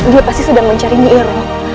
dia pasti sedang mencari nyira